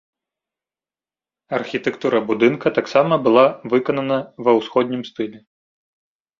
Архітэктура будынка таксама была выканана ва ўсходнім стылі.